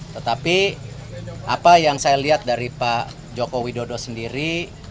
tetapi apa yang saya lihat dari pak joko widodo sendiri